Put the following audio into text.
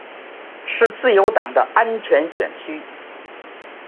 是自由党的安全选区。